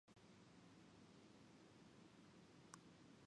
その後いろいろ経験の上、朝は飯櫃の上、夜は炬燵の上、天気のよい昼は縁側へ寝る事とした